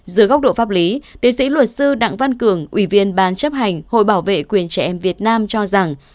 dưới góc độ pháp lý tiến sĩ luật sư đặng văn cường ủy viên ban chấp hành hội bảo vệ quyền trẻ em việt nam cho rằng